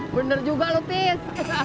bener juga lutis